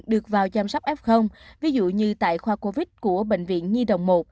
được vào chăm sóc f ví dụ như tại khoa covid của bệnh viện nhi đồng một